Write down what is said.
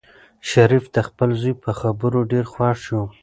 شریف د خپل زوی په خبرو ډېر خوښ شو.